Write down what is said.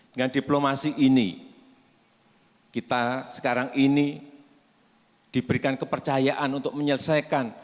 dengan diplomasi ini kita sekarang ini diberikan kepercayaan untuk menyelesaikan